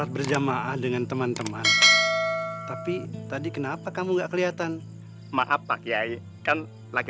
berjamaah dengan teman teman tapi tadi kenapa kamu enggak kelihatan maaf pak kiai kan lagi